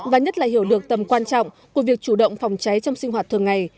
và nhất là hiểu được tầm quan trọng của việc chủ động phòng cháy trong sinh hoạt thường ngày